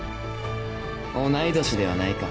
同い年ではないか。